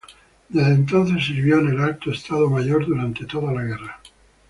Desde entonces, sirvió en el Alto Estado Mayor durante toda la guerra.